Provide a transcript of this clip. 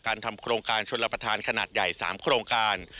ทำโครงการชนรับประทานขนาดใหญ่๓โครงการ